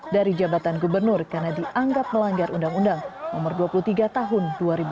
dari jabatan gubernur karena dianggap melanggar undang undang no dua puluh tiga tahun dua ribu dua